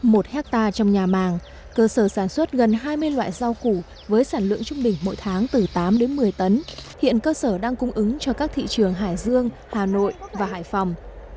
một hectare trong nhà màng cơ sở sản xuất gần hai mươi loại rau củ với sản lượng trung bình mỗi tháng từ tám đến một mươi tấn hiện cơ sở đang cung ứng cho các thị trường hải dương hà nội và hải phòng